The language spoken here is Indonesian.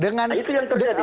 nah itu yang terjadi